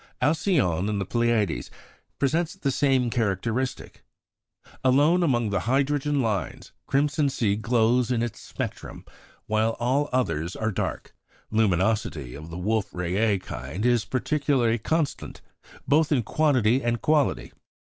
Alcyone in the Pleiades presents the same characteristic. Alone among the hydrogen lines, crimson C glows in its spectrum, while all the others are dark. Luminosity of the Wolf Rayet kind is particularly constant, both in quantity and quality.